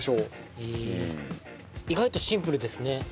意外とシンプルですね